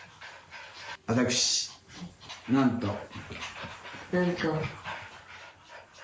私、なんと、なんと。